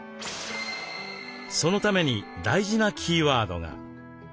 そのために大事なキーワードが。